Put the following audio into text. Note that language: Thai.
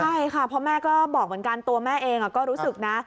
ใช่ค่ะเพราะแม่ก็บอกเหมือนกันตัวแม่เองก็รู้สึกนะ